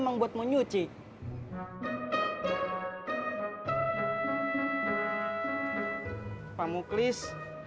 terima kasih pak muklis